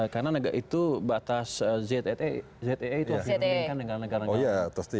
karena itu batas zee itu akan dihentikan dengan negara negara lain